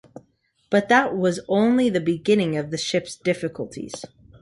But that was only the beginning of the ship's difficulties.